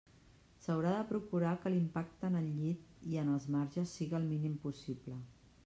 S'haurà de procurar que l'impacte en el llit i en els marges siga el mínim possible.